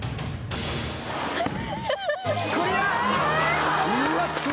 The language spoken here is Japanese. クリア。